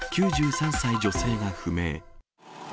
９３歳女性が不明。